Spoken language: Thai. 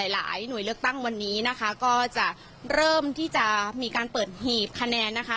หลายหน่วยเลือกตั้งวันนี้นะคะก็จะเริ่มที่จะมีการเปิดหีบคะแนนนะคะ